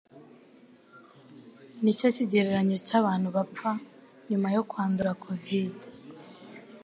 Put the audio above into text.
ni cyo kigereranyo cy’abantu bapfa nyuma yo kwandura covid,